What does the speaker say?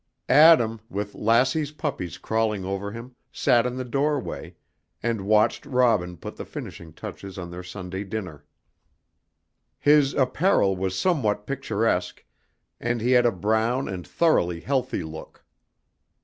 Adam, with Lassie's puppies crawling over him, sat in the doorway, and watched Robin put the finishing touches to their Sunday dinner. His apparel was somewhat picturesque, and he had a brown and thoroughly healthy look.